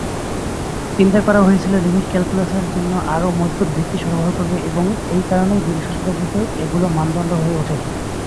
চিন্তা করা হয়েছিল লিমিট ক্যালকুলাসের জন্য আরও মজবুত ভিত্তি সরবরাহ করবে এবং এই কারণেই বিংশ শতাব্দীতে এগুলো মানদণ্ড হয়ে ওঠে।